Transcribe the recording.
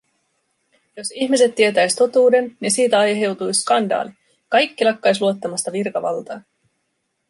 Jos ihmiset tietäis totuuden, ni siitä aiheutuis skandaali, kaikki lakkais luottamasta virkavaltaa.”